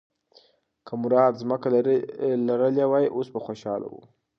که مراد ځمکه لرلی وای، اوس به خوشاله و.